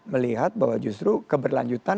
melihat bahwa justru keberlanjutan